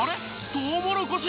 トウモロコシ